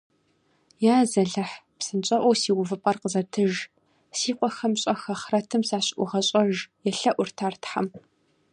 Язалыхь, псынщӀэӀуэу си увыпӀэр къызэтыж! Си къуэхэм щӀэх ахърэтым сащыӀугъэщӀэж! - елъэӀурт ар Тхьэм.